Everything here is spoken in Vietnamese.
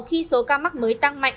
khi số ca mắc mới tăng mạnh